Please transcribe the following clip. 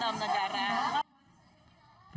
dalam keluarga dalam negara